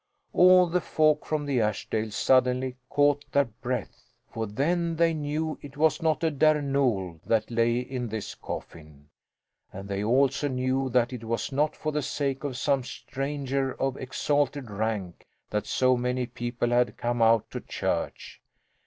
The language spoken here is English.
All the folk from the Ashdales suddenly caught their breath. For then they knew it was not a Där Nol that lay in this coffin! And they also knew that it was not for the sake of some stranger of exalted rank that so many people had come out to church.